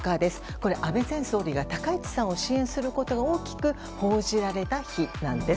これは安倍前総理が高市さんを支援することが大きく報じられた日なんです。